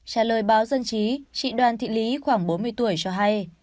trả lời báo dân chí chị đoàn thị lý khoảng bốn mươi tuổi cho hay